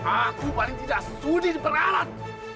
aku paling tidak sudi diperalat